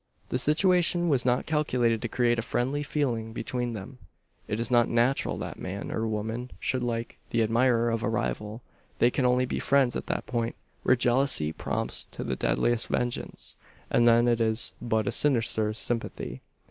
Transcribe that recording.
The situation was not calculated to create a friendly feeling between them. It is not natural that man, or woman, should like the admirer of a rival. They can only be friends at that point where jealousy prompts to the deadliest vengeance; and then it is but a sinister sympathy.